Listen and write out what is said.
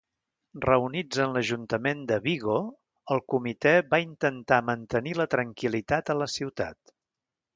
Reunits en l'ajuntament de Vigo, el Comitè va intentar mantenir la tranquil·litat en la ciutat.